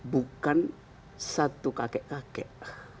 bukan satu kakek kakek